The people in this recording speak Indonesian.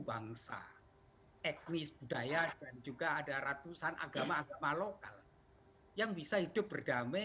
bangsa etnis budaya dan juga ada ratusan agama agama lokal yang bisa hidup berdamai